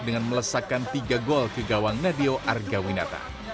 dengan melesakkan tiga gol ke gawang nadio argawinata